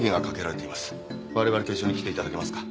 我々と一緒に来て頂けますか？